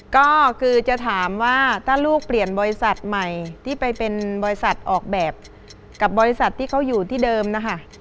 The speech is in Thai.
ก็คือจะถามว่าถ้าลูกเปลี่ยนบริษัทใหม่ที่ไปเป็นบริษัทออกแบบกับบริษัทที่เขาอยู่ที่เดิมนะคะ